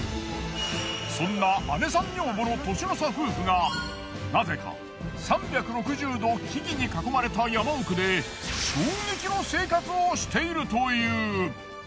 そんな姉さん女房の年の差夫婦がナゼか３６０度木々に囲まれた山奥で衝撃の生活をしているという。